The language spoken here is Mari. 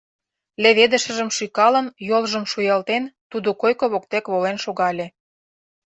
Леведышыжым шӱкалын, йолжым шуялтен, тудо койко воктек волен шогале.